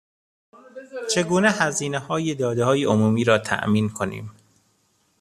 چگونه هزینههای دادههای عمومی را تامین کنیم